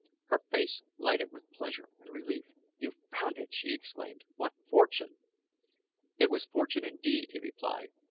Her face lighted with pleasure and relief. "You found it!" she exclaimed. "What fortune!" "It was fortune indeed," he replied.